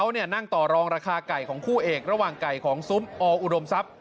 เขานั่งต่อรองราคาไก่ของคู่เอกระหว่างไก่ของซุ้มออุดมทรัพย